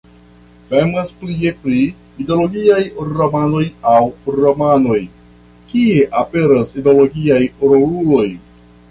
Temas plie pri ideologiaj romanoj aŭ romanoj, kie aperas ideologiaj roluloj.